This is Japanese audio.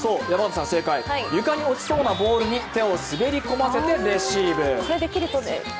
床に落ちそうなボールに手を滑り込ませてレシーブ。